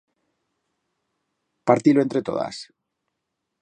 Parti-lo entre todas!